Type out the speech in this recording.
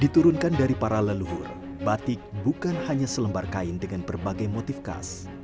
diturunkan dari para leluhur batik bukan hanya selembar kain dengan berbagai motif khas